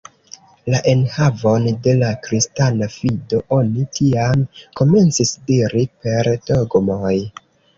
La enhavon de la kristana fido oni tiam komencis diri per dogmoj.